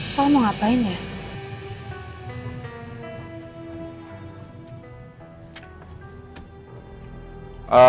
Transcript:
soal mau ngapain ya